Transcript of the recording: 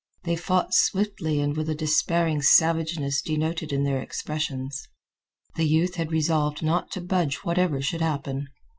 They fought swiftly and with a despairing savageness denoted in their expressions. The youth had resolved not to budge whatever should happen.